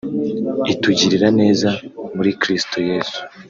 itugirira neza muri Kristo Yesu